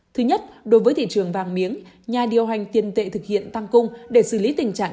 thứ nhất đối với thị trường vàng miếng nhà điều hành tiền tệ thực hiện tăng cung để xử lý tình trạng